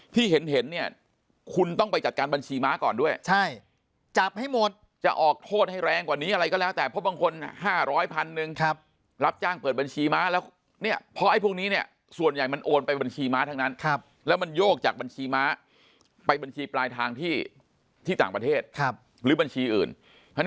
ที่เห็นเนี่ยคุณต้องไปจัดการบัญชีม้าก่อนด้วยใช่จับให้หมดจะออกโทษให้แรงกว่านี้อะไรก็แล้วแต่เพราะบางคน๕๐๐พันหนึ่งรับจ้างเปิดบัญชีม้าแล้วเนี่ยเพราะไอ้พวกนี้เนี่ยส่วนใหญ่มันโอนไปบัญชีม้าทั้งนั้นแล้วมันโยกจากบัญชีม้าไปบัญชีปลายทางที่ต่างประเทศหรือบัญชีอื่น